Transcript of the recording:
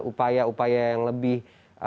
upaya upaya yang lebih